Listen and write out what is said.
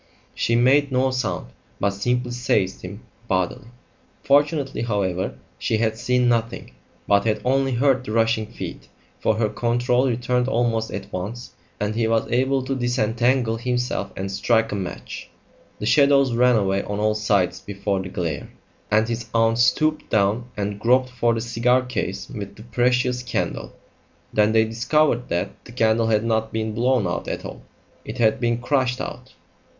She made no sound, but simply seized him bodily. Fortunately, however, she had seen nothing, but had only heard the rushing feet, for her control returned almost at once, and he was able to disentangle himself and strike a match. The shadows ran away on all sides before the glare, and his aunt stooped down and groped for the cigar case with the precious candle. Then they discovered that the candle had not been blown out at all; it had been crushed out.